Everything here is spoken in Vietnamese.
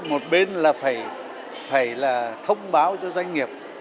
một bên là phải thông báo cho doanh nghiệp